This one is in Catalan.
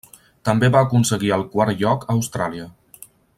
També va aconseguir el quart lloc a Austràlia.